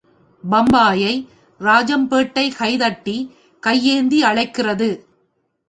பம்பாயை ராஜம்பேட்டை கை தட்டி, கை ஏந்தி அழைக்கிறது.